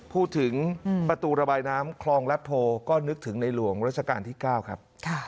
พูดถึงประตูระบายน้ำคลองรัฐโพก็นึกถึงในหลวงราชการที่๙ครับ